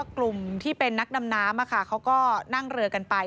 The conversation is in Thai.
กลุ่มที่เป็นนักดำน้ำเขาก็นั่งเรือกันไป